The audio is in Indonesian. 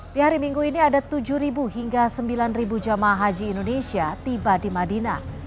di hari minggu ini ada tujuh hingga sembilan jemaah haji indonesia tiba di madinah